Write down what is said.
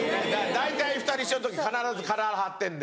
大体２人一緒の時必ず体張ってんで。